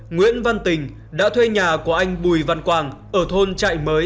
nguyễn văn tình đã thuê nhà của anh bùi văn tình nguyễn văn tình đã thuê nhà của anh bùi văn tình